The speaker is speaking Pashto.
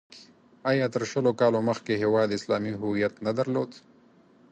آیا تر شلو کالو مخکې هېواد اسلامي هویت نه درلود؟